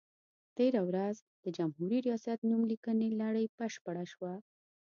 تېره ورځ د جمهوري ریاست نوم لیکنې لړۍ بشپړه شوه.